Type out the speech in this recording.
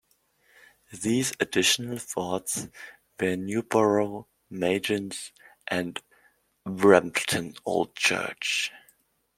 These additional forts were Newbrough, Magnis and Brampton Old Church.